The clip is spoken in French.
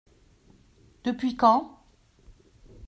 Depuis quand ?